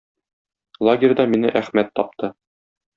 Лагерьда мине Әхмәт тапты.